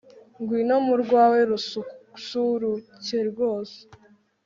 ngwino mu rwawe rususuruke rwose